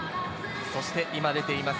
そして今、出ています